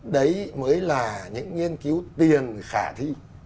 đấy mới là những nghiên cứu tiền khả thi